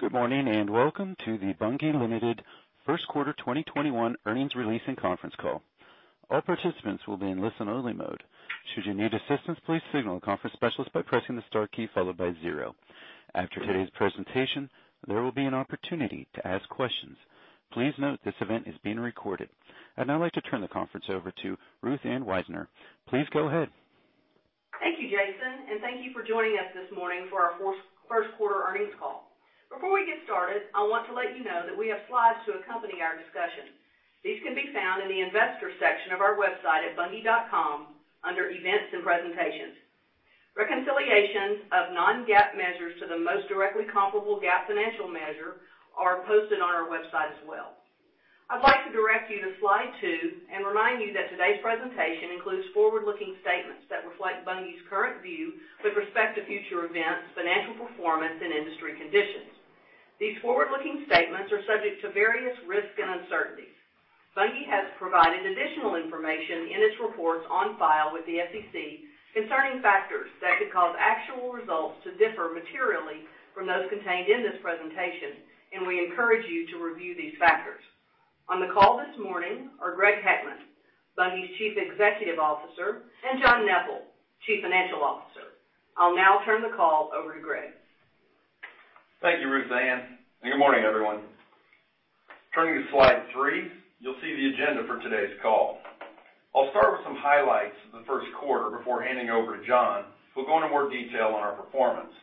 Good morning, and welcome to the Bunge Limited first quarter 2021 earnings release and conference call. All participants will be in listen only mode. Should you need assistance, please signal a conference specialist by pressing the star key followed by zero. After today's presentation, there will be an opportunity to ask questions. Please note this event is being recorded. I'd now like to turn the conference over to Ruth Ann Wisener. Please go ahead. Thank you, Jason, and thank you for joining us this morning for our first quarter earnings call. Before we get started, I want to let you know that we have slides to accompany our discussion. These can be found in the investor section of our website at bunge.com under Events and Presentations. Reconciliations of non-GAAP measures to the most directly comparable GAAP financial measure are posted on our website as well. I'd like to direct you to Slide 2 and remind you that today's presentation includes forward-looking statements that reflect Bunge's current view with respect to future events, financial performance, and industry conditions. These forward-looking statements are subject to various risks and uncertainties. Bunge has provided additional information in its reports on file with the SEC concerning factors that could cause actual results to differ materially from those contained in this presentation, and we encourage you to review these factors. On the call this morning are Greg Heckman, Bunge's Chief Executive Officer, and John Neppl, Chief Financial Officer. I'll now turn the call over to Greg. Thank you, Ruth Ann. Good morning, everyone. Turning to Slide 3, you'll see the agenda for today's call. I'll start with some highlights of the first quarter before handing over to John, who'll go into more detail on our performance.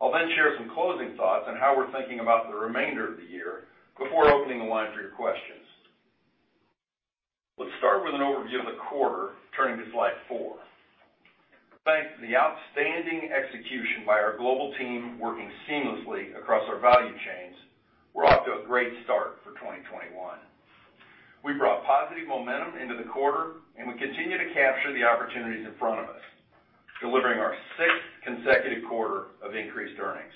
I'll share some closing thoughts on how we're thinking about the remainder of the year before opening the line for your questions. Let's start with an overview of the quarter, turning to Slide 4. Thanks to the outstanding execution by our global team working seamlessly across our value chains, we're off to a great start for 2021. We brought positive momentum into the quarter and we continue to capture the opportunities in front of us, delivering our sixth consecutive quarter of increased earnings.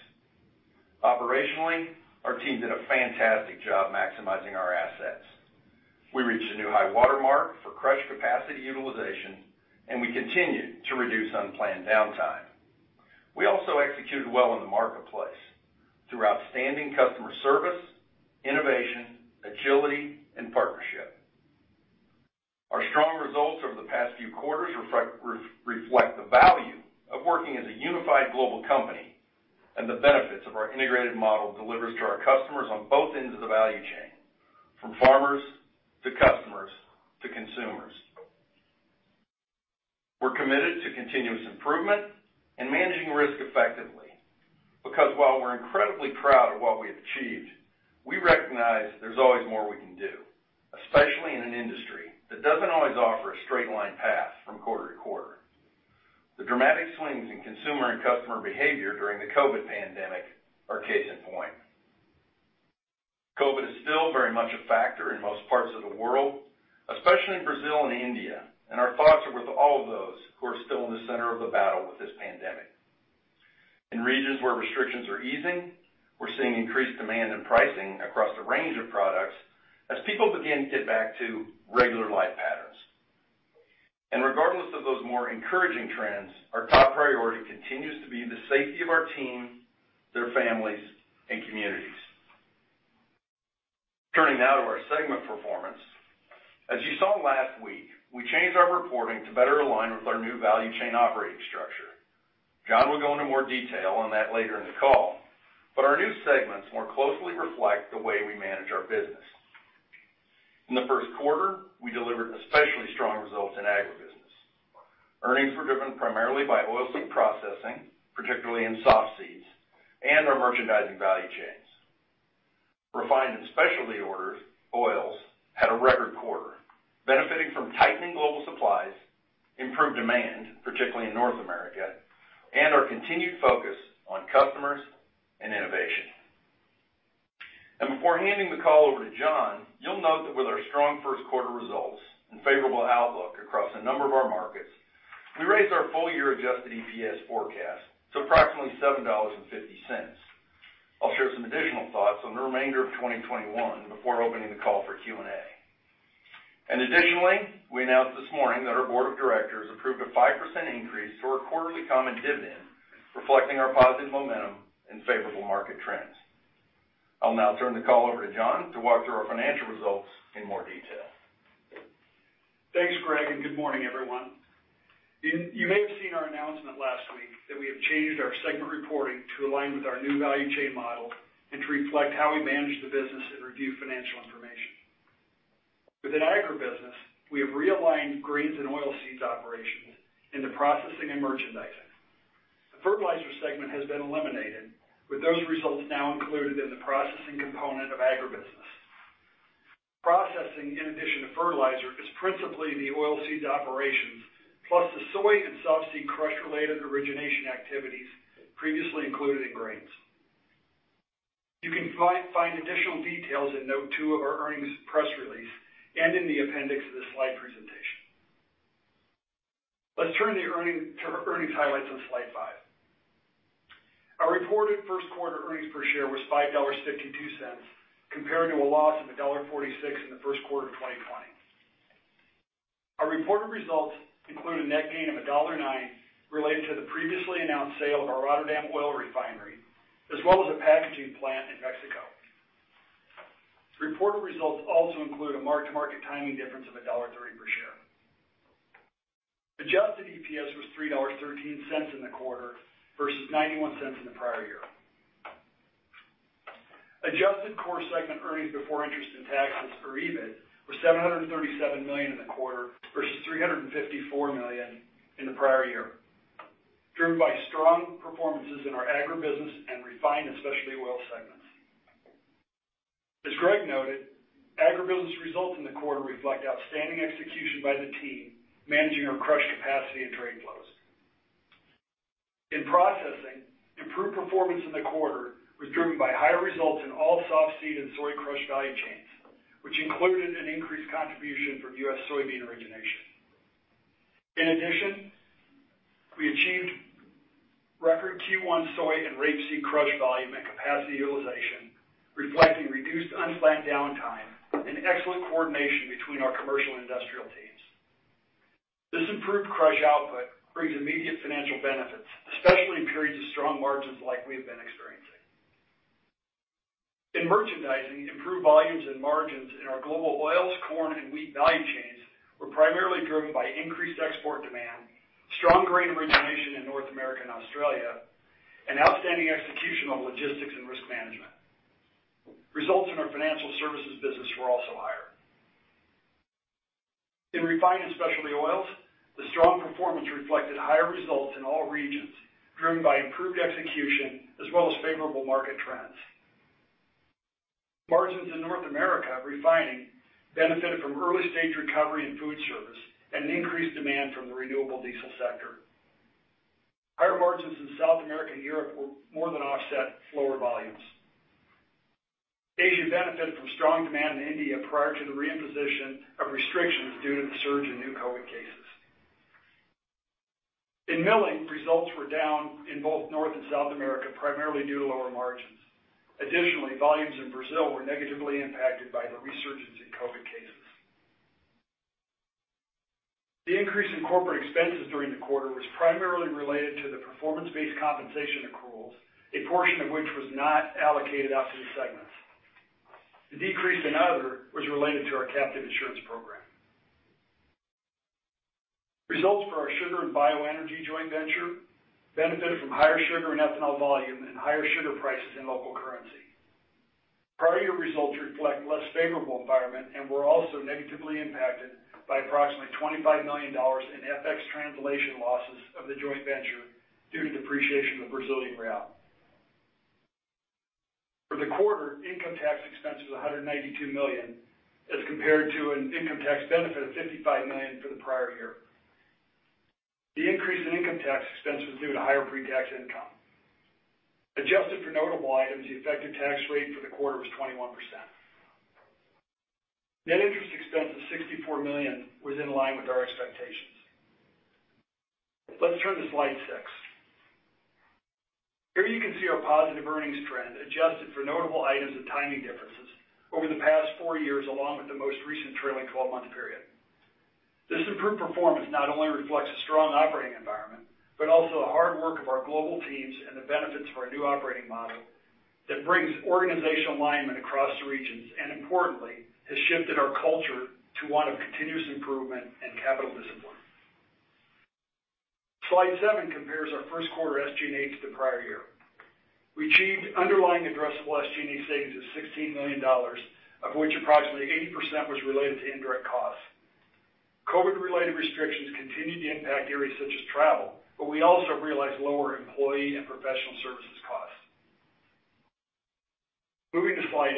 Operationally, our team did a fantastic job maximizing our assets. We reached a new high watermark for crush capacity utilization, and we continued to reduce unplanned downtime. We also executed well in the marketplace through outstanding customer service, innovation, agility, and partnership. Our strong results over the past few quarters reflect the value of working as a unified global company and the benefits of our integrated model delivers to our customers on both ends of the value chain, from farmers to customers to consumers. We're committed to continuous improvement and managing risk effectively, because while we're incredibly proud of what we have achieved, we recognize there's always more we can do, especially in an industry that doesn't always offer a straight-line path from quarter-to-quarter. The dramatic swings in consumer and customer behavior during the COVID pandemic are case in point. COVID is still very much a factor in most parts of the world, especially in Brazil and India, and our thoughts are with all of those who are still in the center of the battle with this pandemic. In regions where restrictions are easing, we're seeing increased demand in pricing across a range of products as people begin to get back to regular life patterns. Regardless of those more encouraging trends, our top priority continues to be the safety of our team, their families, and communities. Turning now to our segment performance. As you saw last week, we changed our reporting to better align with our new value chain operating structure. John will go into more detail on that later in the call, but our new segments more closely reflect the way we manage our business. In the first quarter, we delivered especially strong results in agribusiness. Earnings were driven primarily by oil seed processing, particularly in softseeds, and our merchandising value chains. Refined and specialty oils had a record quarter, benefiting from tightening global supplies, improved demand, particularly in North America, and our continued focus on customers and innovation. Before handing the call over to John, you'll note that with our strong first quarter results and favorable outlook across a number of our markets, we raised our full-year adjusted EPS forecast to approximately $7.50. I'll share some additional thoughts on the remainder of 2021 before opening the call for Q&A. Additionally, we announced this morning that our board of directors approved a 5% increase to our quarterly common dividend, reflecting our positive momentum and favorable market trends. I'll now turn the call over to John to walk through our financial results in more detail. Thanks, Greg. Good morning, everyone. You may have seen our announcement last week that we have changed our segment reporting to align with our new value chain model and to reflect how we manage the business and review financial information. Within Agribusiness, we have realigned Grains and Oilseeds operations into Processing and Merchandising. The Fertilizer segment has been eliminated, with those results now included in the Processing component of Agribusiness. Processing, in addition to fertilizer, is principally the Oilseeds operations, plus the soy and softseed crush-related origination activities previously included in Grains. You can find additional details in note two of our earnings press release and in the appendix of the slide presentation. Let's turn to earnings highlights on Slide 5. Our reported first quarter earnings per share was $5.52, compared to a loss of $1.46 in the first quarter of 2020. Our reported results include a net gain of $1.09 related to the previously announced sale of our Rotterdam oil refinery, as well as a packaging plant in Mexico. Reported results also include a mark-to-market timing difference of $1.30 per share. Adjusted EPS was $3.13 in the quarter versus $0.91 in the prior year. Adjusted core segment earnings before interest and taxes, or EBIT, were $737 million in the quarter versus $354 million in the prior year, driven by strong performances in our agribusiness and refined and specialty oil segments. As Greg noted, agribusiness results in the quarter reflect outstanding execution by the team managing our crush capacity and trade flows. In processing, improved performance in the quarter was driven by higher results in all soft seed and soy crush value chains, which included an increased contribution from U.S. soybean origination. In addition, we achieved record Q1 soy and rapeseed crush volume and capacity utilization, reflecting reduced unplanned downtime and excellent coordination between our commercial and industrial teams. This improved crush output brings immediate financial benefits, especially in periods of strong margins like we have been experiencing. In merchandising, improved volumes and margins in our global oils, corn, and wheat value chains were primarily driven by increased export demand, strong grain origination in North America and Australia, and outstanding execution on logistics and risk management. Results in our financial services business were also higher. In refined and specialty oils, the strong performance reflected higher results in all regions, driven by improved execution as well as favorable market trends. Margins in North America refining benefited from early-stage recovery in food service and an increased demand from the renewable diesel sector. Higher margins in South America and Europe were more than offset lower volumes. Asia benefited from strong demand in India prior to the reimposition of restrictions due to the surge in new COVID cases. In milling, results were down in both North and South America, primarily due to lower margins. Additionally, volumes in Brazil were negatively impacted by the resurgence in COVID cases. The increase in corporate expenses during the quarter was primarily related to the performance-based compensation accruals, a portion of which was not allocated out to the segments. The decrease in other was related to our captive insurance program. Results for our sugar and bioenergy joint venture benefited from higher sugar and ethanol volume and higher sugar prices in local currency. Prior year results reflect less favorable environment and were also negatively impacted by approximately $25 million in FX translation losses of the joint venture due to depreciation of Brazilian real. For the quarter, income tax expense was $192 million as compared to an income tax benefit of $55 million for the prior year. The increase in income tax expense was due to higher pre-tax income. Adjusted for notable items, the effective tax rate for the quarter was 21%. Net interest expense of $64 million was in line with our expectations. Let's turn to Slide 6. Here you can see our positive earnings trend adjusted for notable items and timing differences over the past four years along with the most recent trailing 12-month period. This improved performance not only reflects a strong operating environment, but also the hard work of our global teams and the benefits of our new operating model that brings organizational alignment across the regions, and importantly, has shifted our culture to one of continuous improvement and capital discipline. Slide 7 compares our first quarter SG&A to the prior year. We achieved underlying addressable SG&A savings of $16 million, of which approximately 80% was related to indirect costs. COVID-related restrictions continued to impact areas such as travel, but we also realized lower employee and professional services costs. Moving to Slide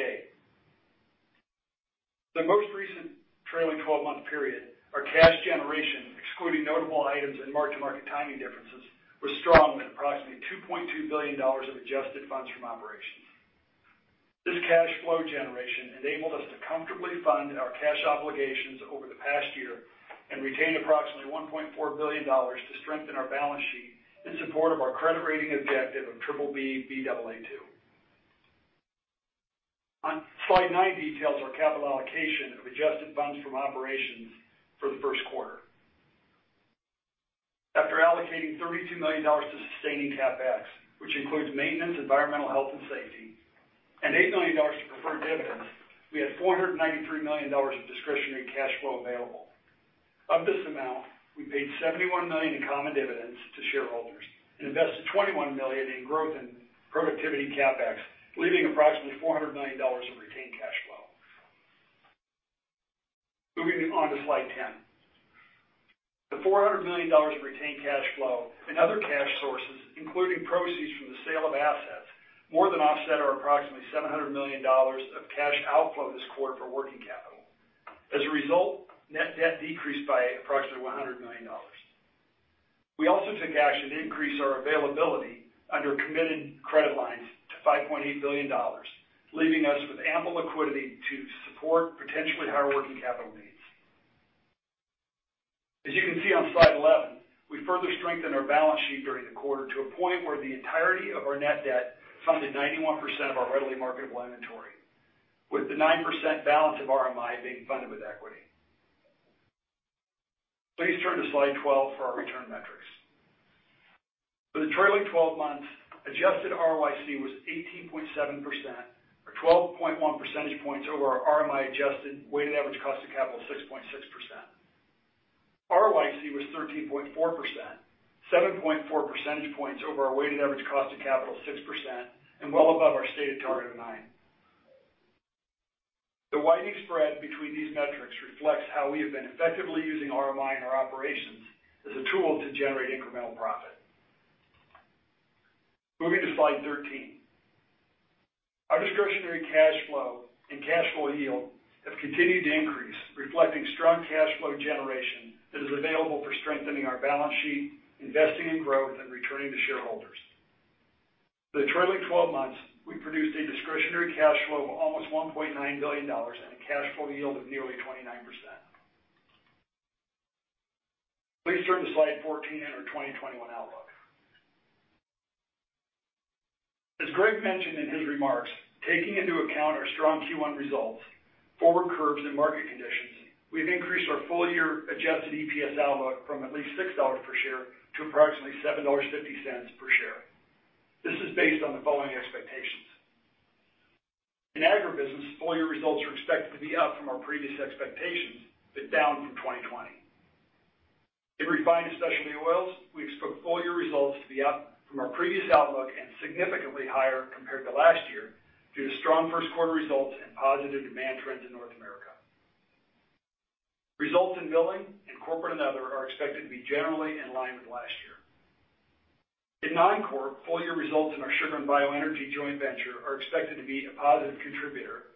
8. The most recent trailing 12-month period, our cash generation, excluding notable items and mark-to-market timing differences, was strong with approximately $2.2 billion of adjusted funds from operations. This cash flow generation enabled us to comfortably fund our cash obligations over the past year and retain approximately $1.4 billion to strengthen our balance sheet in support of our credit rating objective of BBB/Baa2. On Slide 9 details our capital allocation of adjusted funds from operations for the first quarter. After allocating $32 million to sustaining CapEx, which includes maintenance, environmental health, and safety, and $8 million to preferred dividends, we had $493 million of discretionary cash flow available. Of this amount, we paid $71 million in common dividends to shareholders and invested $21 million in growth and productivity CapEx, leaving approximately $400 million of retained cash flow. Moving on to Slide 10. The $400 million of retained cash flow and other cash sources, including proceeds from the sale of assets, more than offset our approximately $700 million of cash outflow this quarter for working capital. As a result, net debt decreased by approximately $100 million. We also took action to increase our availability under committed credit lines to $5.8 billion, leaving us with ample liquidity to support potentially higher working capital needs. As you can see on Slide 11, we further strengthened our balance sheet during the quarter to a point where the entirety of our net debt funded 91% of our readily marketable inventory, with the 9% balance of RMI being funded with equity. Please turn to Slide 12 for our return metrics. For the trailing 12 months, adjusted ROIC was 18.7%, or 12.1 percentage points over our RMI-adjusted weighted average cost of capital of 6.6%. ROIC was 13.4%, 7.4 percentage points over our weighted average cost of capital of 6%, and well above our stated target of 9%. The widening spread between these metrics reflects how we have been effectively using RMI in our operations as a tool to generate incremental profit. Moving to Slide 13. Our discretionary cash flow and cash flow yield have continued to increase, reflecting strong cash flow generation that is available for strengthening our balance sheet, investing in growth, and returning to shareholders. For the trailing 12 months, we produced a discretionary cash flow of almost $1.9 billion and a cash flow yield of nearly 29%. Please turn to Slide 14 and our 2021 outlook. As Greg mentioned in his remarks, taking into account our strong Q1 results, forward curves and market conditions, we've increased our full-year adjusted EPS outlook from at least $6 per share to approximately $7.50 per share. This is based on the following expectations. In agribusiness, full-year results are expected to be up from our previous expectations, but down from 2020. In refined specialty oils, we expect full-year results to be up from our previous outlook and significantly higher compared to last year due to strong first quarter results and positive demand trends in North America. Results in milling and corporate and other are expected to be generally in line with last year. In non-core, full-year results in our sugar and bioenergy joint venture are expected to be a positive contributor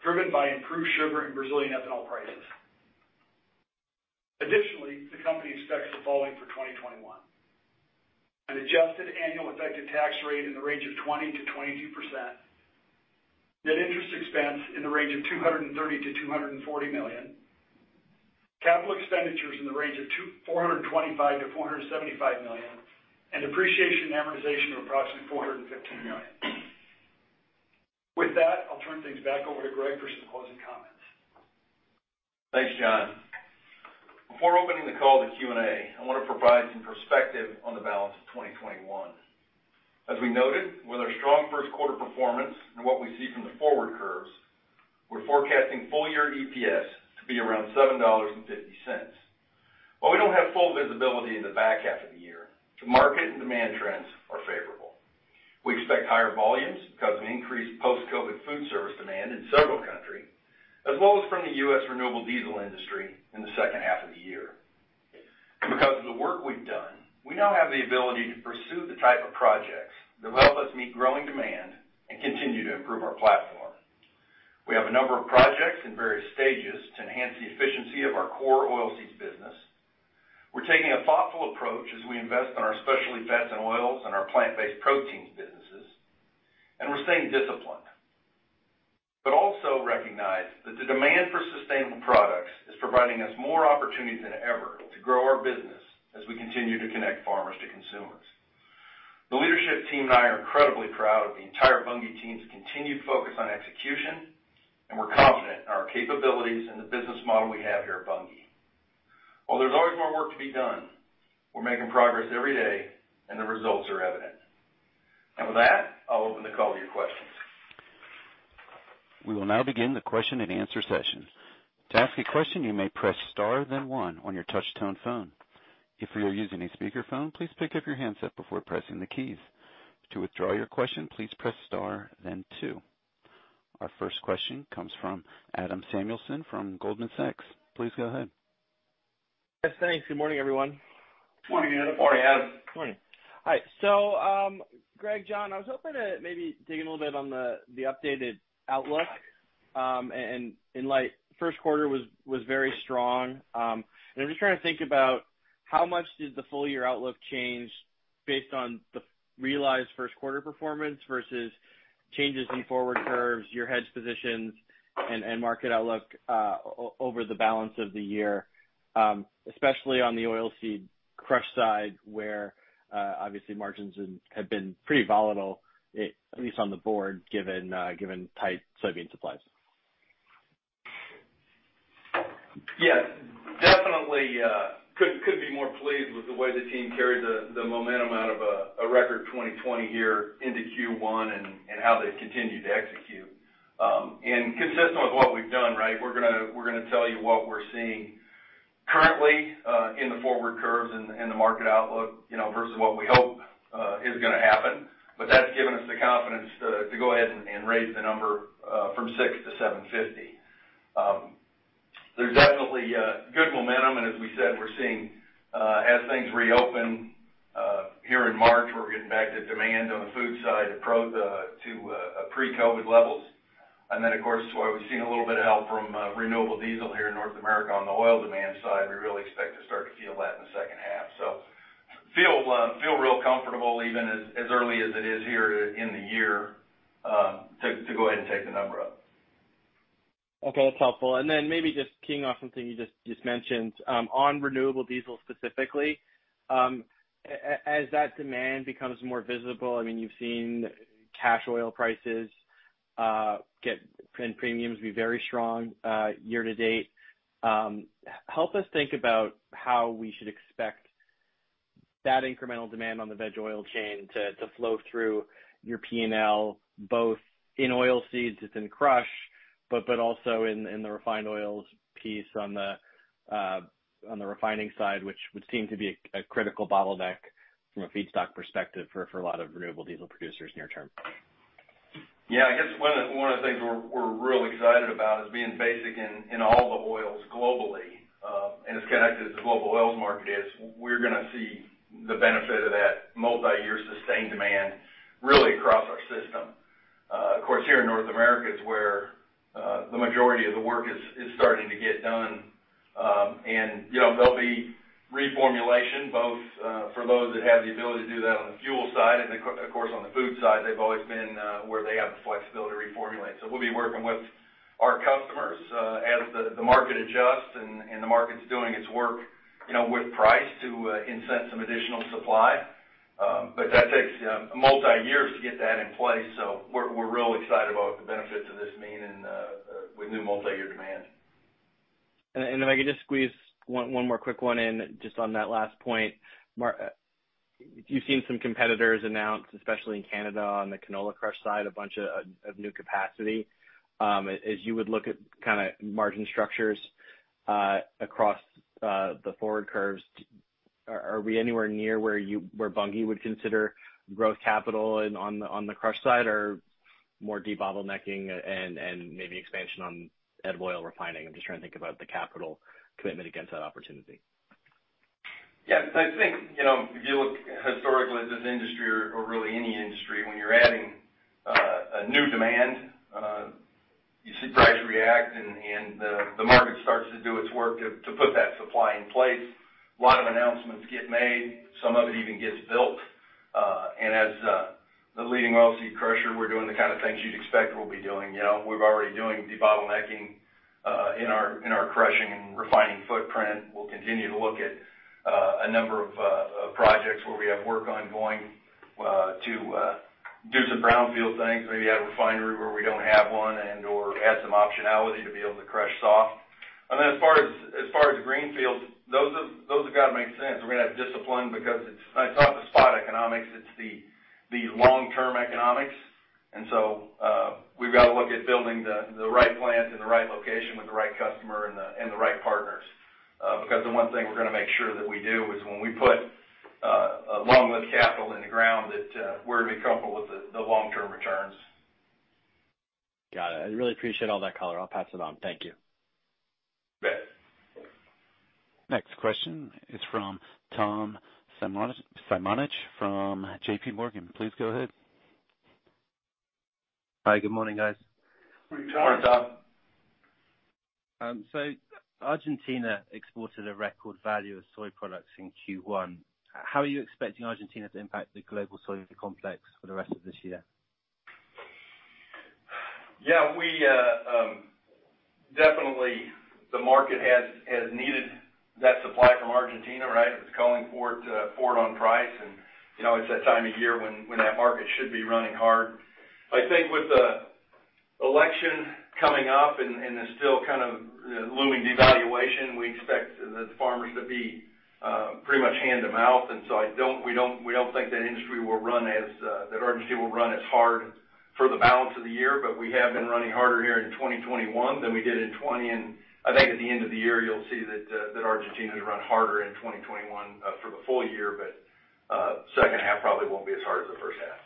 driven by improved sugar and Brazilian ethanol prices. Additionally, the company expects the following for 2021: an adjusted annual effective tax rate in the range of 20%-22%, net interest expense in the range of $230 million-$240 million, capital expenditures in the range of $425 million-$475 million, and depreciation and amortization of approximately $415 million. Withthat, I'll turn things back over to Greg Heckman for some closing comments. Thanks, John. Before opening the call to Q&A, I want to provide some perspective on the balance of 2021. As we noted, with our strong first quarter performance and what we see from the forward curves, we're forecasting full-year EPS to be around $7.50. While we don't have full visibility in the back half of the year, the market and demand trends are favorable. We expect higher volumes because of increased post-COVID food service demand in several countries, as well as from the U.S. renewable diesel industry in the second half of the year. Because of the work we've done, we now have the ability to pursue the type of projects that help us meet growing demand and continue to improve our platform. We have a number of projects in various stages to enhance the efficiency of our core oilseeds business. We're taking a thoughtful approach as we invest in our specialty fats and oils and our plant-based proteins businesses, and we're staying disciplined. Also recognize that the demand for sustainable products is providing us more opportunity than ever to grow our business as we continue to connect farmers to consumers. The leadership team and I are incredibly proud of the entire Bunge team's continued focus on execution, and we're confident in our capabilities and the business model we have here at Bunge. While there's always more work to be done, we're making progress every day, and the results are evident. With that, I'll open the call to your questions. We will now begin the question and answer session. To ask a question, you may press star then one on your touchtone phone. If you are using a speakerphone, please pick up your handset before pressing the keys. To withdraw your question, please press star, then two. Our first question comes from Adam Samuelson from Goldman Sachs. Please go ahead. Yes, thanks. Good morning, everyone. Morning, Adam. Morning, Adam. Morning. Hi. Greg, John, I was hoping to maybe dig in a little bit on the updated outlook. First quarter was very strong. I'm just trying to think about how much did the full-year outlook change based on the realized first quarter performance versus changes in forward curves, your hedge positions, and market outlook over the balance of the year, especially on the oil seed crush side, where obviously margins have been pretty volatile, at least on the board, given tight soybean supplies. Yes. Definitely couldn't be more pleased with the way the team carried the momentum out of a record 2020 year into Q1 and how they've continued to execute. Consistent with what we've done, we're going to tell you what we're seeing currently in the forward curves and the market outlook versus what we hope is going to happen. That's given us the confidence to go ahead and raise the number from $6-$7.50. There's definitely good momentum. As we said, we're seeing as things reopen here in March, we're getting back to demand on the food side to pre-COVID levels. Of course, to what we've seen a little bit of help from renewable diesel here in North America on the oil demand side. We really expect to start to feel that in the second half. Feel real comfortable even as early as it is here in the year to go ahead and take the number up. Okay, that's helpful. Then maybe just keying off something you just mentioned. On renewable diesel specifically, as that demand becomes more visible, you've seen cash oil prices and premiums be very strong year-to-date. Help us think about how we should expect that incremental demand on the veg oil chain to flow through your P&L, both in oil seeds as in crush, but also in the refined oils piece on the refining side, which would seem to be a critical bottleneck from a feedstock perspective for a lot of renewable diesel producers near-term. Yeah, I guess one of the things we're really excited about is being basic in all the oils globally, and as connected as the global oils market is, we're going to see the benefit of that multi-year sustained demand really across our system. Of course, here in North America is where the majority of the work is starting to get done. There'll be reformulation, both for those that have the ability to do that on the fuel side and, of course, on the food side, they've always been where they have the flexibility to reformulate. We'll be working with our customers as the market adjusts, and the market's doing its work with price to incent some additional supply. That takes multi-years to get that in place. We're real excited about what the benefits of this mean with new multi-year demand. Then if I could just squeeze one more quick one in just on that last point. You've seen some competitors announce, especially in Canada on the canola crush side, a bunch of new capacity. As you would look at margin structures across the forward curves, are we anywhere near where Bunge would consider growth capital on the crush side or more debottlenecking and maybe expansion on edible oil refining? I'm just trying to think about the capital commitment against that opportunity. Yes. I think, if you look historically at this industry or really any industry, when you're adding a new demand, you see price react, and the market starts to do its work to put that supply in place. A lot of announcements get made. Some of it even gets built. As the leading oilseed crusher, we're doing the kind of things you'd expect we'll be doing. We're already doing debottlenecking in our crushing and refining footprint. We'll continue to look at a number of projects where we have work ongoing to do some brownfield things, maybe add a refinery where we don't have one and/or add some optionality to be able to crush soft. As far as the greenfields, those have got to make sense. We're going to have discipline because it's not the spot economics, it's the long-term economics. We've got to look at building the right plant in the right location with the right customer and the right partners. The one thing we're going to make sure that we do is when we put a long length capital in the ground, that we're going to be comfortable with the long-term returns. Got it. I really appreciate all that color. I'll pass it on. Thank you. You bet. Next question is from Tom Simonitsch from JPMorgan. Please go ahead. Hi. Good morning, guys. Morning, Tom. Argentina exported a record value of soy products in Q1. How are you expecting Argentina to impact the global soy complex for the rest of this year? Yeah. Definitely the market has needed that supply from Argentina, right? It's calling for it on price, and it's that time of year when that market should be running hard. I think with the election coming up and the still kind of looming devaluation, we expect the farmers to be pretty much hand-to-mouth. We don't think that Argentina will run as hard for the balance of the year. We have been running harder here in 2021 than we did in 2020. I think at the end of the year, you'll see that Argentina has run harder in 2021 for the full year, but second half probably won't be as hard as the first half.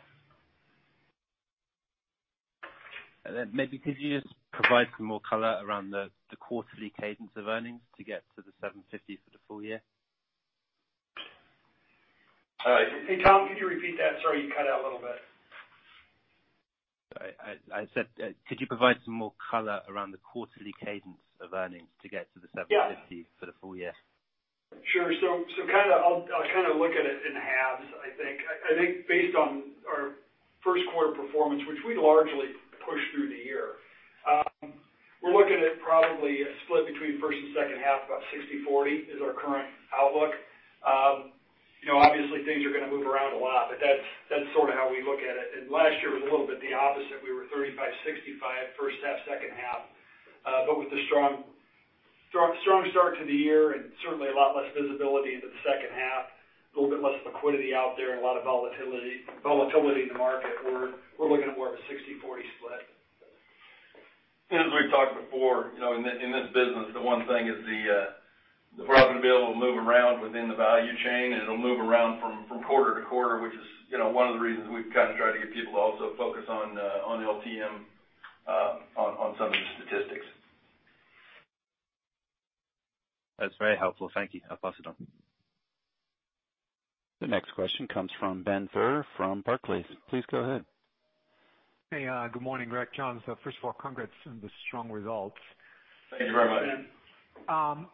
Maybe could you just provide some more color around the quarterly cadence of earnings to get to the $7.50 for the full year? Hey, Tom, could you repeat that? Sorry, you cut out a little bit. Sorry. I said, could you provide some more color around the quarterly cadence of earnings to get to the $7.50 for the full year? Sure. I'll look at it in halves, I think. I think based on our first quarter performance, which we largely push through the year. We're looking at probably a split between first and second half, about 60/40 is our current outlook. Things are going to move around a lot, but that's sort of how we look at it. Last year was a little bit the opposite. We were 35/65 first half, second half. With the strong start to the year and certainly a lot less visibility into the second half, a little bit less liquidity out there and a lot of volatility in the market, we're looking at more of a 60/40 split. As we've talked before, in this business, the one thing is the profit available will move around within the value chain, and it'll move around from quarter-to-quarter, which is one of the reasons we've kind of tried to get people to also focus on LTM on some of the statistics. That's very helpful. Thank you. I'll pass it on. The next question comes from Benjamin Theurer from Barclays. Please go ahead. Hey, good morning, Greg, John. First of all, congrats on the strong results. Thank you very much.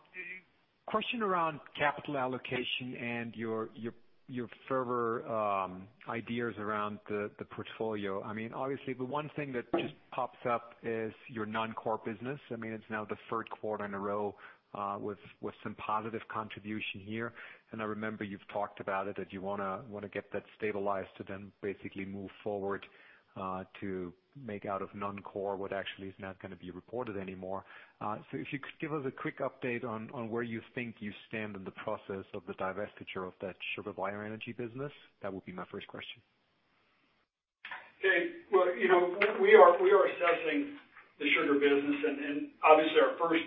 Question around capital allocation and your further ideas around the portfolio. Obviously, the one thing that just pops up is your non-core business. It's now the third quarter in a row with some positive contribution here, and I remember you've talked about it, that you want to get that stabilized to then basically move forward to make out of non-core what actually is not going to be reported anymore. If you could give us a quick update on where you think you stand in the process of the divestiture of that sugar bioenergy business, that would be my first question. Okay. We are assessing the sugar business. Obviously, our first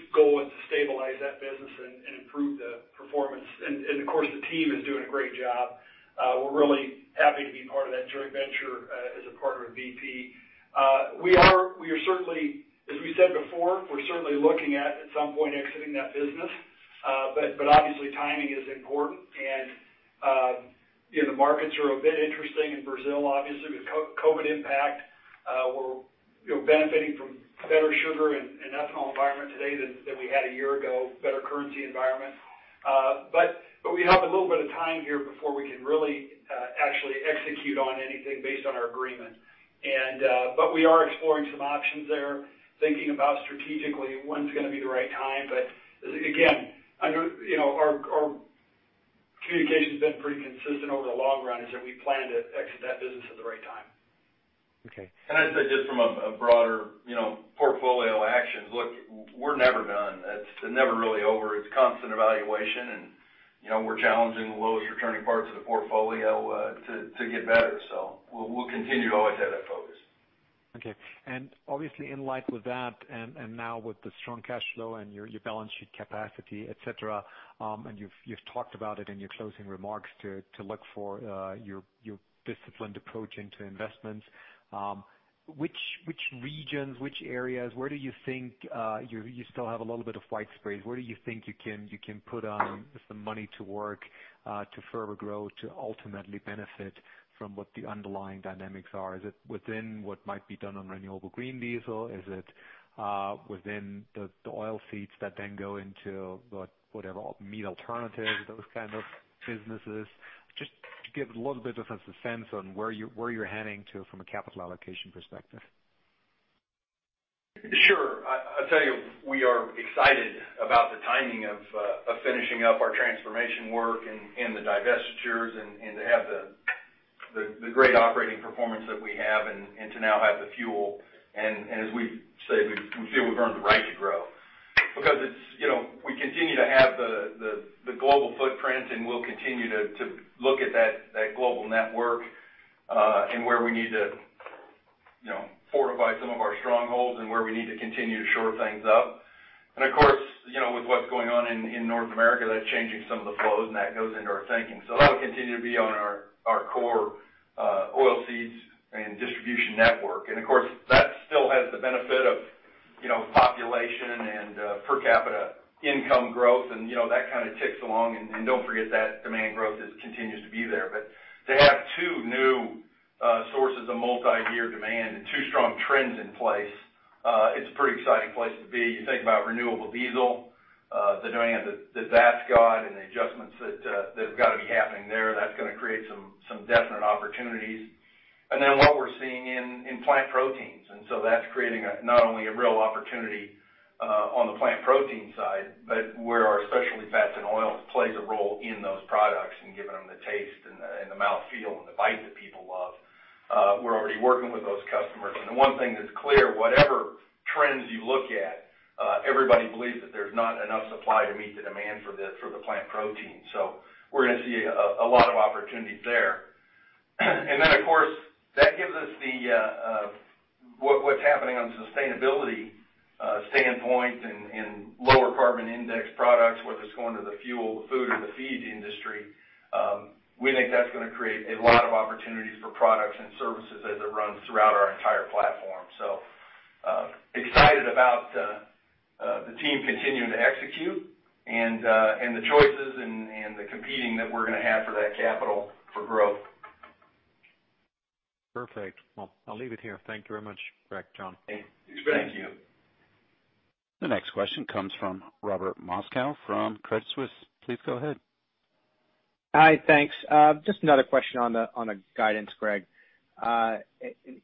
goal is to stabilize that business and improve the performance. Of course, the team is doing a great job. We're really happy to be part of that joint venture as a partner with BP. As we said before, we're certainly looking at some point, exiting that business. Obviously, timing is important and the markets are a bit interesting in Brazil, obviously, with COVID impact. We're benefiting from better sugar and ethanol environment today than we had a year ago, better currency environment. We have a little bit of time here before we can really actually execute on anything based on our agreement. We are exploring some options there, thinking about strategically when's going to be the right time. Again, our communication's been pretty consistent over the long run, is that we plan to exit that business at the right time. Okay. I'd say just from a broader portfolio actions. Look, we're never done. It's never really over. It's constant evaluation and we're challenging the lowest returning parts of the portfolio to get better. We'll continue to always have that focus. Okay. Obviously in light with that, and now with the strong cash flow and your balance sheet capacity, etc, you've talked about it in your closing remarks to look for your disciplined approach into investments. Which regions, which areas, you still have a little bit of white space. Where do you think you can put some money to work, to further grow, to ultimately benefit from what the underlying dynamics are? Is it within what might be done on renewable green diesel? Is it within the oil seeds that then go into meat alternatives, those kind of businesses? Just to give a little bit of a sense on where you're heading to from a capital allocation perspective. Sure. I'll tell you, we are excited about the timing of finishing up our transformation work and the divestitures and to have the great operating performance that we have and to now have the fuel. As we say, we feel we've earned the right to grow. We continue to have the global footprint, and we'll continue to look at that global network, and where we need to fortify some of our strongholds and where we need to continue to shore things up. Of course, with what's going on in North America, that's changing some of the flows, and that goes into our thinking. That'll continue to be on our core oil seeds and distribution network. Of course, that still has the benefit of population and per capita income growth and that kind of ticks along. Don't forget that demand growth continues to be there. To have two new sources of multiyear demand and two strong trends in place, it's a pretty exciting place to be. You think about renewable diesel, the demand that that's got and the adjustments that have got to be happening there, that's going to create some definite opportunities. What we're seeing in plant proteins, and so that's creating not only a real opportunity on the plant protein side, but where our specialty fats and oils plays a role in those products in giving them the taste and the mouth feel and the bite that people love. We're already working with those customers. The one thing that's clear, whatever trends you look at, everybody believes that there's not enough supply to meet the demand for the plant protein. We're going to see a lot of opportunities there. Of course, that gives us what's happening on sustainability standpoint and lower carbon index products, whether it's going to the fuel, the food, or the feed industry. We think that's going to create a lot of opportunities for products and services as it runs throughout our entire platform. Excited about the team continuing to execute and the choices and the competing that we're going to have for that capital for growth. Perfect. Well, I'll leave it here. Thank you very much, Greg, John. Thank you. Thank you. The next question comes from Robert Moskow from Credit Suisse. Please go ahead. Hi, thanks. Just another question on the guidance, Greg.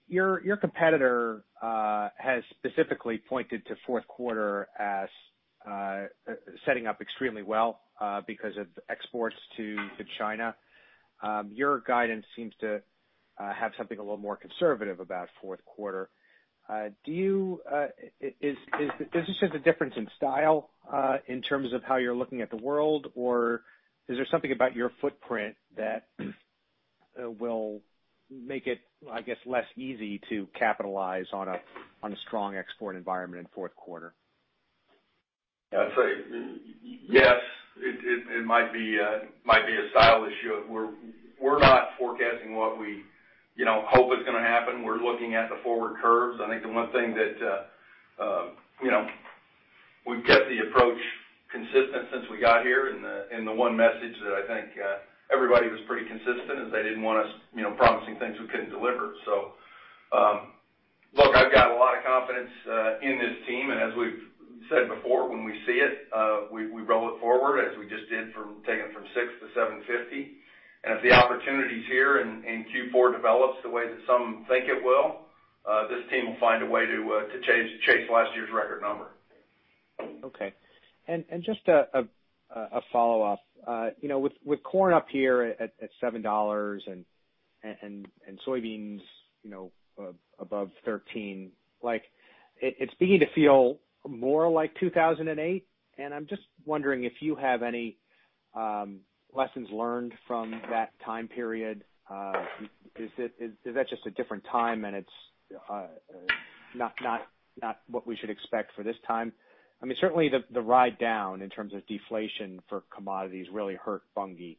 Your competitor has specifically pointed to fourth quarter as setting up extremely well because of exports to China. Your guidance seems to have something a little more conservative about fourth quarter. Is this just a difference in style in terms of how you're looking at the world, or is there something about your footprint that will make it, I guess, less easy to capitalize on a strong export environment in fourth quarter? I'd say yes, it might be a style issue. We're not forecasting what we hope is going to happen. We're looking at the forward curves. I think the one thing that we've kept the approach consistent since we got here, and the one message that I think everybody was pretty consistent is they didn't want us promising things we couldn't deliver. I've got a lot of confidence in this team. As we've said before, when we see it, we roll it forward, as we just did from taking it from $6-$7.50. If the opportunities here in Q4 develops the way that some think it will, this team will find a way to chase last year's record number. Okay. Just a follow-up. With corn up here at $7 and soybeans above $13, it's beginning to feel more like 2008, and I'm just wondering if you have any lessons learned from that time period. Is that just a different time, and it's not what we should expect for this time? Certainly, the ride down in terms of deflation for commodities really hurt Bunge.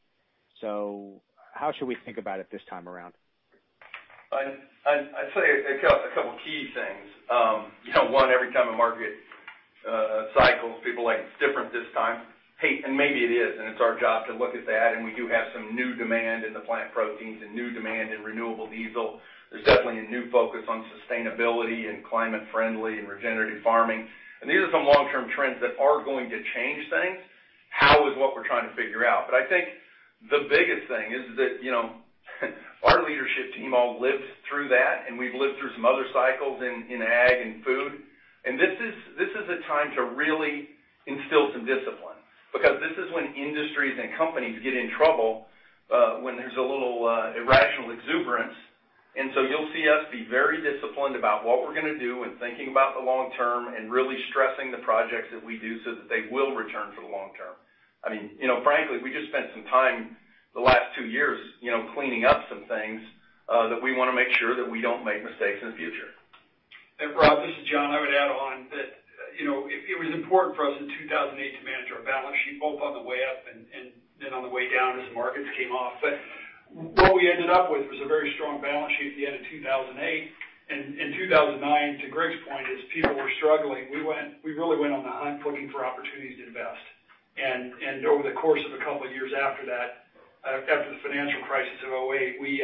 How should we think about it this time around? I'd say a couple of key things. One, every time a market cycles, people are like, "It's different this time." Hey, maybe it is, and it's our job to look at that, and we do have some new demand in the plant proteins and new demand in renewable diesel. There's definitely a new focus on sustainability and climate-friendly and regenerative farming. These are some long-term trends that are going to change things. How is what we're trying to figure out. I think the biggest thing is that our leadership team all lived through that, and we've lived through some other cycles in ag and food, and this is a time to really instill some discipline because this is when industries and companies get in trouble when there's a little irrational exuberance. You'll see us be very disciplined about what we're going to do and thinking about the long-term and really stressing the projects that we do so that they will return for the long-term. Frankly, we just spent some time the last two years cleaning up some things that we want to make sure that we don't make mistakes in the future. Rob, this is John. I would add on that it was important for us in 2008 to manage our balance sheet, both on the way up and then on the way down as the markets came off. What we ended up with was a very strong balance sheet at the end of 2008. In 2009, to Greg's point, as people were struggling, we really went on the hunt looking for opportunities to invest. Over the course of a couple of years after that, after the financial crisis of 2008, we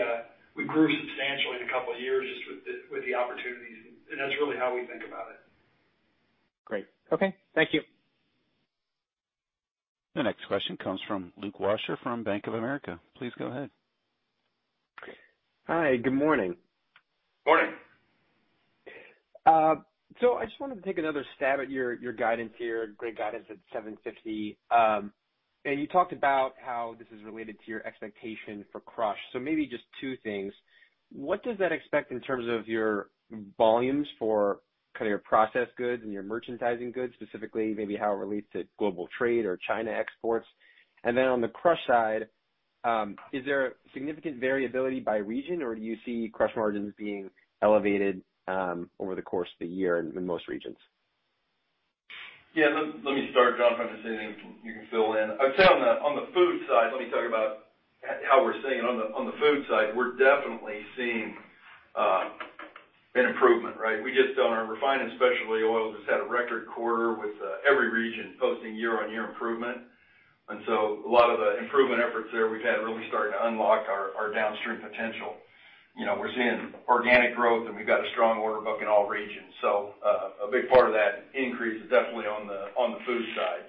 grew substantially in a couple of years just with the opportunities, and that's really how we think about it. Great. Okay. Thank you. The next question comes from Luke Washer from Bank of America. Please go ahead. Hi, good morning. Morning. I just wanted to take another stab at your guidance here. Great guidance at $7.50. You talked about how this is related to your expectation for crush. Maybe just two things. What does that expect in terms of your volumes for your processed goods and your merchandising goods, specifically maybe how it relates to global trade or China exports? Then on the crush side, is there significant variability by region, or do you see crush margins being elevated over the course of the year in most regions? Let me start, John, if I miss anything, you can fill in. I'd say on the food side, let me talk about how we're seeing it. On the food side, we're definitely seeing an improvement, right? We just, on our refined and specialty oils, just had a record quarter with every region posting year-on-year improvement. A lot of the improvement efforts there we've had really started to unlock our downstream potential. We're seeing organic growth, and we've got a strong order book in all regions. A big part of that increase is definitely on the food side.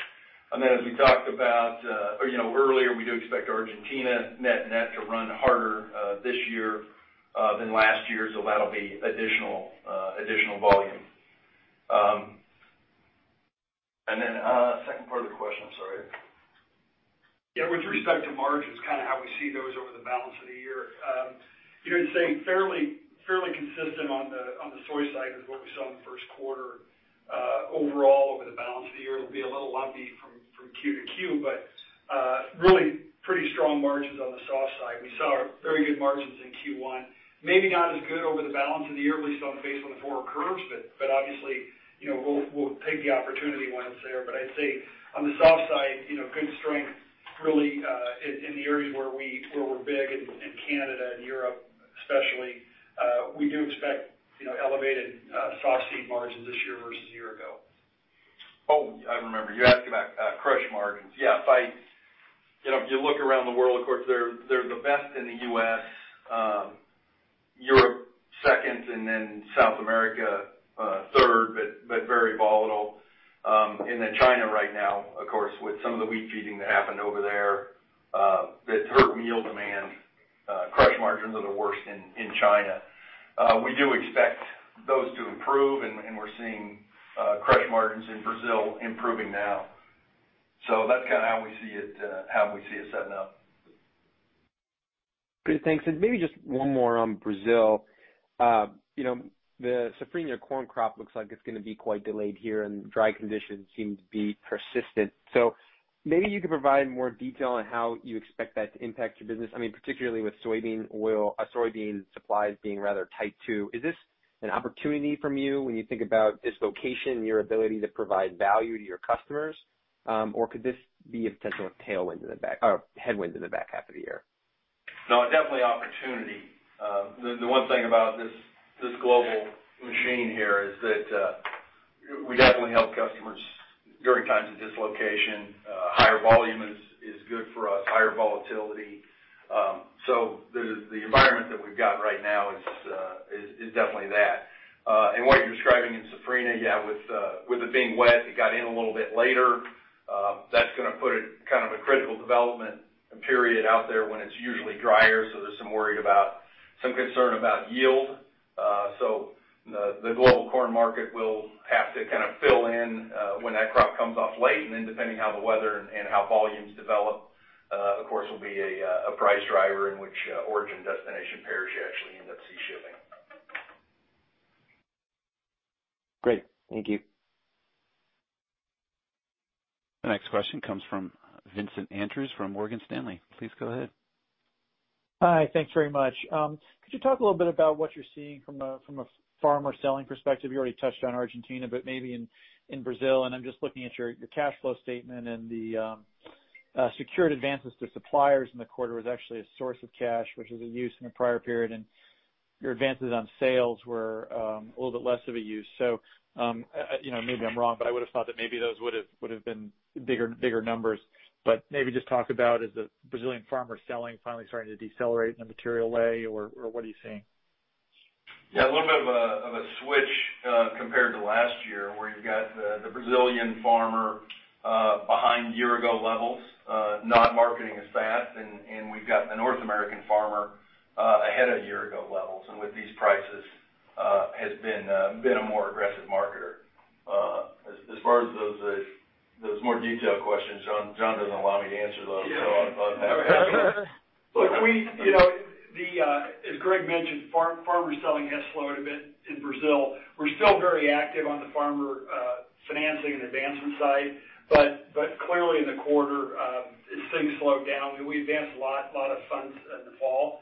As we talked about earlier, we do expect Argentina net to run harder this year than last year, so that'll be additional volume. Second part of the question, I'm sorry. Yeah. With respect to margins, how we see those over the balance of the year. I'd say fairly consistent on the soy side with what we saw in the first quarter. Overall, over the balance of the year, it'll be a little lumpy from Q-Q. Really pretty strong margins on the soft side. We saw very good margins in Q1. Maybe not as good over the balance of the year, at least on the base on the forward curves. Obviously, we'll take the opportunity when it's there. I'd say on the soft side, good strength really in the areas where we're big in Canada and Europe especially. We do expect elevated soft seed margins this year versus a year ago. Oh, I remember. You asked about crush margins. Yeah. If you look around the world, of course, they're the best in the U.S., Europe second, and then South America third, but very volatile. China right now, of course, with some of the wheat feeding that happened over there that's hurt meal demand. Crush margins are the worst in China. We do expect those to improve, and we're seeing crush margins in Brazil improving now. That's how we see it setting up. Great, thanks. Maybe just one more on Brazil. The Safrinha corn crop looks like it's going to be quite delayed here, and dry conditions seem to be persistent. Maybe you could provide more detail on how you expect that to impact your business, particularly with soybean supplies being rather tight too. Is this an opportunity from you when you think about this location and your ability to provide value to your customers? Could this be a potential headwind in the back half of the year? No, definitely opportunity. The one thing about this global machine here is that we definitely help customers during times of dislocation. Higher volume is good for us, higher volatility. The environment that we've got right now is definitely that. What you're describing in Safrinha, yeah, with it being wet, it got in a little bit later. That's going to put it kind of a critical development period out there when it's usually drier, so there's some concern about yield. The global corn market will have to kind of fill in when that crop comes off late, then depending how the weather and how volumes develop, of course, will be a price driver in which origin destination pairs you actually end up sea shipping. Great. Thank you. The next question comes from Vincent Andrews from Morgan Stanley. Please go ahead. Hi. Thanks very much. Could you talk a little bit about what you're seeing from a farmer selling perspective? You already touched on Argentina, but maybe in Brazil, and I'm just looking at your cash flow statement and the secured advances to suppliers in the quarter was actually a source of cash, which was a use in the prior period, and your advances on sales were a little bit less of a use. Maybe I'm wrong, but I would've thought that maybe those would've been bigger numbers. Maybe just talk about is the Brazilian farmer selling finally starting to decelerate in a material way, or what are you seeing? Yeah, a little bit of a switch compared to last year where you've got the Brazilian farmer behind year-ago levels, not marketing as fast. We've got the North American farmer ahead of year-ago levels, and with these prices has been a more aggressive marketer. As far as those more detailed questions, John doesn't allow me to answer those. Look, as Greg mentioned, farmer selling has slowed a bit in Brazil. We're still very active on the farmer financing and advancement side. Clearly in the quarter, as things slowed down, we advanced a lot of funds in the fall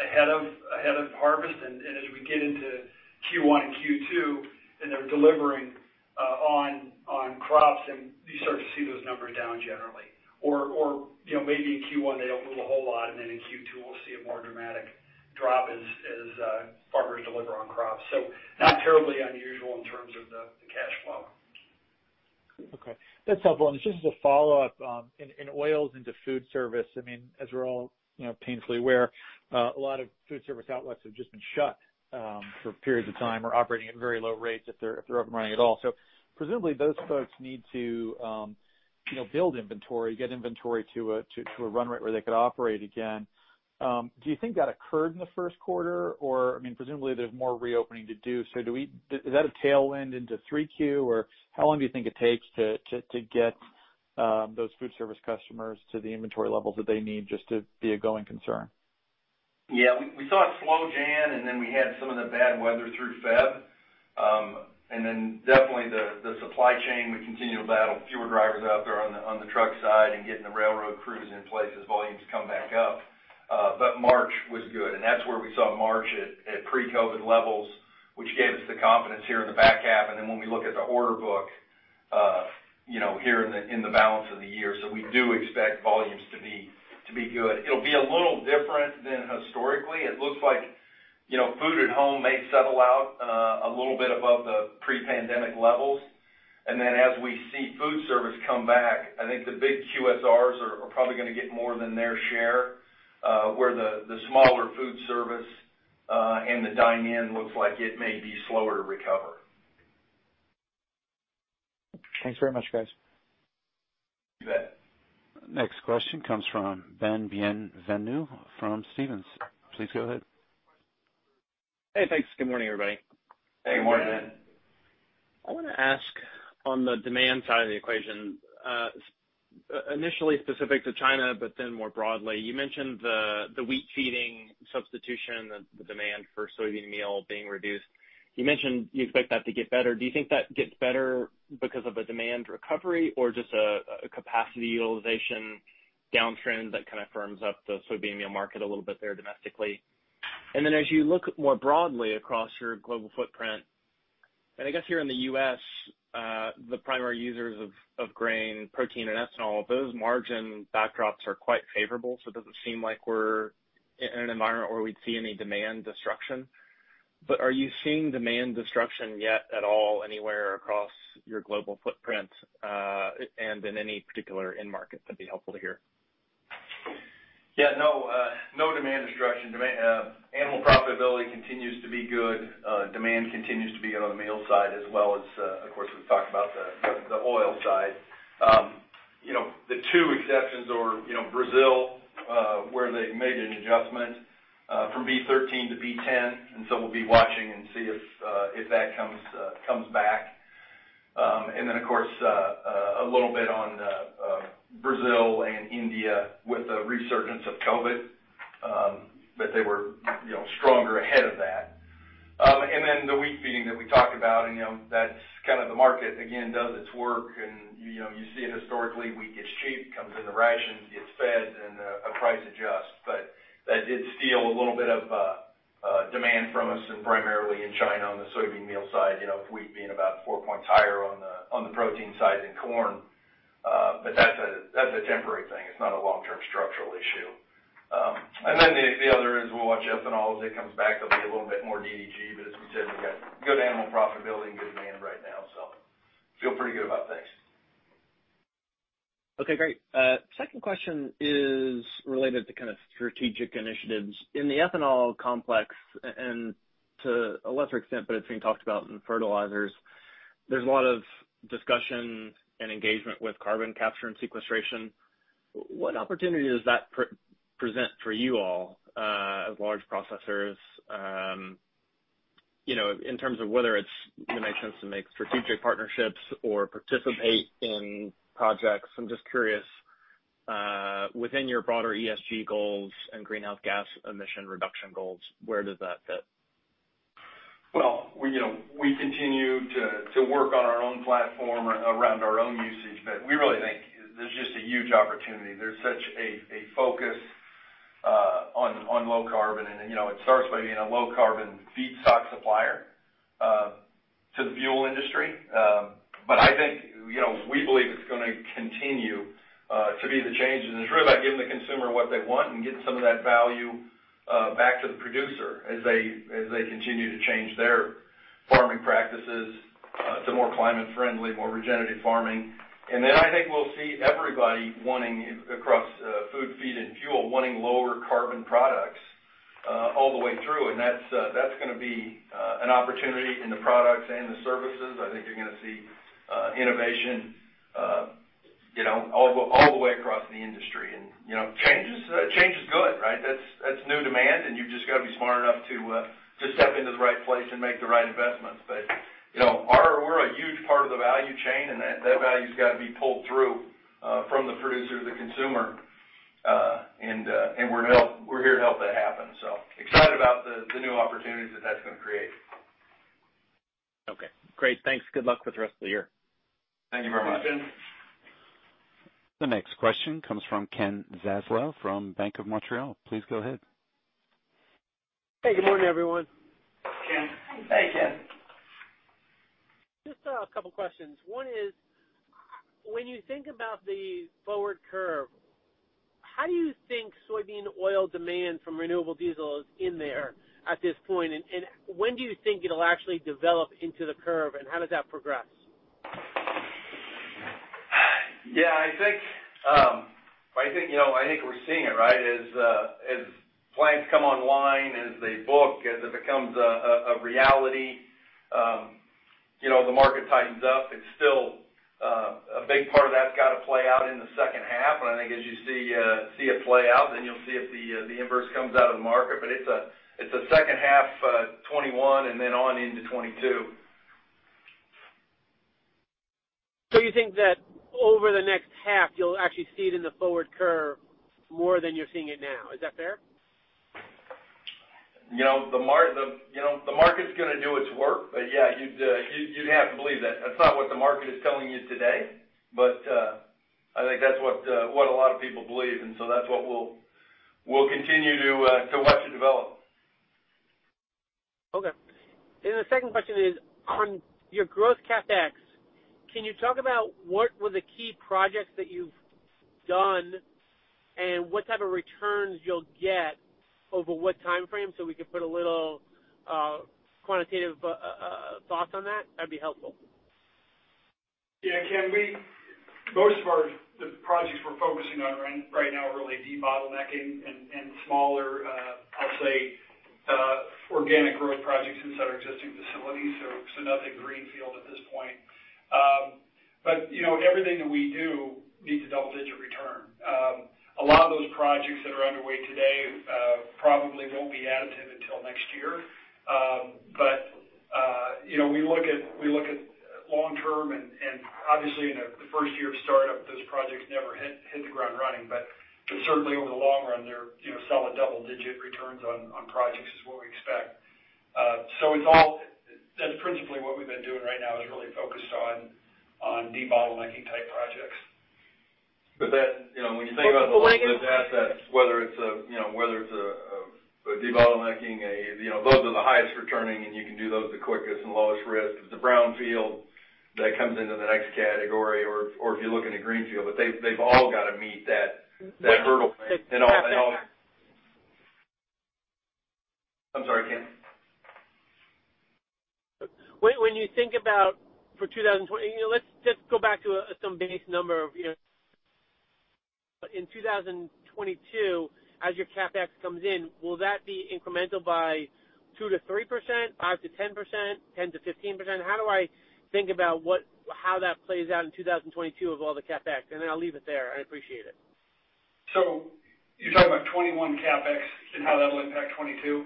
ahead of harvest. As we get into Q1 and Q2 and they're delivering on crops, and you start to see those numbers down generally. Maybe in Q1 they don't move a whole lot, and then in Q2 we'll see a more dramatic drop as farmers deliver on crops. Not terribly unusual in terms of the cash flow. Okay. That's helpful. Just as a follow-up, in oils into food service, as we're all painfully aware, a lot of food service outlets have just been shut for periods of time or operating at very low rates if they're up and running at all. Presumably those folks need to build inventory, get inventory to a run rate where they could operate again. Do you think that occurred in the first quarter, or presumably there's more reopening to do, so is that a tailwind into 3Q, or how long do you think it takes to get those food service customers to the inventory levels that they need just to be a going concern? Yeah. We saw it slow January, and then we had some of the bad weather through February. Then definitely the supply chain, we continue to battle fewer drivers out there on the truck side and getting the railroad crews in place as volumes come back up. March was good, and that's where we saw March at pre-COVID levels, which gave us the confidence here in the back half. Then when we look at the order book here in the balance of the year. We do expect volumes to be good. It'll be a little different than historically. It looks like food at home may settle out a little bit above the pre-pandemic levels. As we see food service come back, I think the big QSRs are probably going to get more than their share, where the smaller food service and the dine-in looks like it may be slower to recover. Thanks very much, guys. You bet. Next question comes from Ben Bienvenu from Stephens. Please go ahead. Hey, thanks. Good morning, everybody. Hey, good morning, Ben. Good morning. I want to ask on the demand side of the equation, initially specific to China, but then more broadly. You mentioned the wheat feeding substitution, the demand for soybean meal being reduced. You mentioned you expect that to get better. Do you think that gets better because of a demand recovery or just a capacity utilization downtrend that kind of firms up the soybean meal market a little bit there domestically? Then as you look more broadly across your global footprint, and I guess here in the U.S., the primary users of grain, protein, and ethanol, those margin backdrops are quite favorable, so it doesn't seem like we're in an environment where we'd see any demand destruction. Are you seeing demand destruction yet at all anywhere across your global footprint? In any particular end market that'd be helpful to hear. No demand destruction. Animal profitability continues to be good. Demand continues to be good on the meal side as well as, of course, we've talked about the oil side. The two exceptions are Brazil where they've made an adjustment from B13-B10. We'll be watching and see if that comes back. Of course, a little bit on Brazil and India with the resurgence of COVID, but they were stronger ahead of that. The wheat feeding that we talked about, and that's kind of the market again does its work, and you see it historically, wheat gets cheap, comes in the rations, gets fed, and a price adjusts. That did steal a little bit of demand from us and primarily in China on the soybean meal side. Wheat being about four points higher on the protein side than corn. That's a temporary thing. It's not a long-term structural issue. The other is we'll watch ethanol as it comes back. It'll be a little bit more DDGS, as we said, we've got good animal profitability and good demand right now, feel pretty good about things. Okay, great. Second question is related to kind of strategic initiatives. In the ethanol complex, and to a lesser extent, but it's being talked about in fertilizers, there's a lot of discussion and engagement with carbon capture and sequestration. What opportunity does that present for you all as large processors, in terms of whether it's going to make sense to make strategic partnerships or participate in projects? I'm just curious, within your broader ESG goals and greenhouse gas emission reduction goals, where does that fit? Well, we continue to work on our own platform around our own usage, but we really think there's just a huge opportunity. There's such a focus on low carbon and it starts by being a low carbon feedstock supplier to the fuel industry. I think, we believe it's going to continue to be the change. It's really about giving the consumer what they want and getting some of that value back to the producer as they continue to change their farming practices to more climate friendly, more regenerative farming. I think we'll see everybody wanting, across food, feed, and fuel, wanting lower carbon products all the way through. That's going to be an opportunity in the products and the services. I think you're going to see innovation all the way across the industry. Change is good, right? That's new demand, and you've just got to be smart enough to step into the right place and make the right investments. We're a huge part of the value chain, and that value's got to be pulled through from the producer to the consumer. We're here to help that happen. Excited about the new opportunities that that's going to create. Okay, great. Thanks. Good luck with the rest of the year. Thank you very much. The next question comes from Kenneth Zaslow from Bank of Montreal. Please go ahead. Hey, good morning, everyone. Ken. Hey, Ken. Just a couple of questions. One is, when you think about the forward curve, how do you think soybean oil demand from renewable diesel is in there at this point, and when do you think it'll actually develop into the curve, and how does that progress? Yeah. I think we're seeing it, right? As plants come online, as they book, as it becomes a reality, the market tightens up. It's still a big part of that's got to play out in the second half. I think as you see it play out, then you'll see if the inverse comes out of the market. It's a second half 2021 and then on into 2022. You think that over the next half, you'll actually see it in the forward curve more than you're seeing it now. Is that fair? The market's going to do its work. Yeah, you'd have to believe that. That's not what the market is telling you today, but I think that's what a lot of people believe, and so that's what we'll continue to watch and develop. Okay. The second question is on your growth CapEx, can you talk about what were the key projects that you've done and what type of returns you'll get over what time frame, so we could put a little quantitative thoughts on that? That'd be helpful. Yeah. Ken, most of the projects we're focusing on right now are really debottlenecking and smaller, I'll say, organic growth projects inside our existing facilities. Nothing greenfield at this point. Everything that we do needs a double-digit return. A lot of those projects that are underway today probably won't be additive until next year. We look at long-term, and obviously in the first year of startup, those projects never hit the ground running. Certainly over the long run, they're solid double-digit returns on projects is what we expect. That's principally what we've been doing right now is really focused on debottlenecking type projects. When you think about those assets, whether it's a debottlenecking, those are the highest returning and you can do those the quickest and lowest risk. It's a brownfield that comes into the next category or if you look into greenfield. They've all got to meet that hurdle. I'm sorry, Ken. When you think about for 2020, let's just go back to some base number of in 2022, as your CapEx comes in, will that be incremental by 2%-3%, 5%-10%, 10%-15%? How do I think about how that plays out in 2022 of all the CapEx? Then I'll leave it there. I appreciate it. You're talking about 2021 CapEx and how that will impact 2022?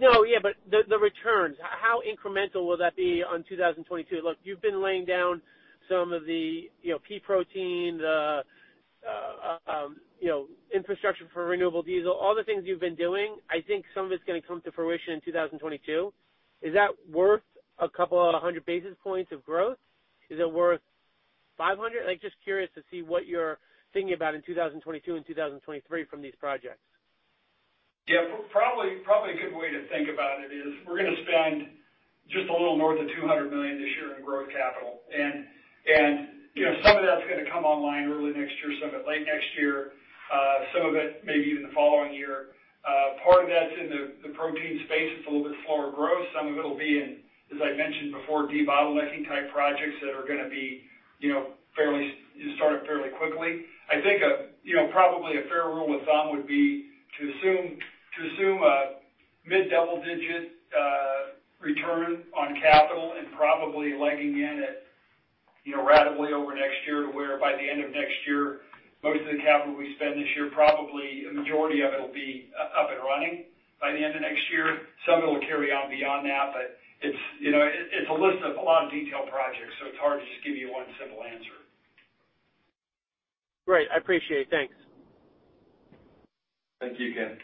No. Yeah. The returns, how incremental will that be on 2022? Look, you've been laying down some of the pea protein, the infrastructure for renewable diesel, all the things you've been doing. I think some of it's going to come to fruition in 2022. Is that worth a couple of 100 basis points of growth? Is it worth 500 basis points? Like, just curious to see what you're thinking about in 2022 and 2023 from these projects. Probably a good way to think about it is we're going to spend just a little more than $200 million this year in growth capital. Some of that's going to come online early next year, some of it late next year, some of it maybe even the following year. Part of that's in the protein space. It's a little bit slower growth. Some of it'll be in, as I mentioned before, debottlenecking type projects that are going to start up fairly quickly. I think probably a fair rule of thumb would be to assume a mid-double digit return on capital and probably legging in at ratably over next year to where by the end of next year, most of the capital we spend this year, probably a majority of it will be up and running by the end of next year. Some of it will carry on beyond that, but it's a list of a lot of detailed projects, so it's hard to just give you one simple answer. Great. I appreciate it. Thanks. Thank you, Ken.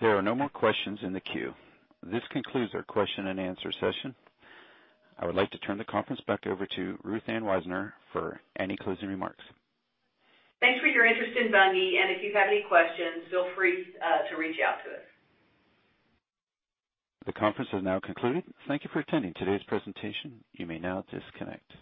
There are no more questions in the queue. This concludes our question and answer session. I would like to turn the conference back over to Ruth Ann Wisener for any closing remarks. Thanks for your interest in Bunge, if you have any questions, feel free to reach out to us. The conference has now concluded. Thank you for attending today's presentation. You may now disconnect.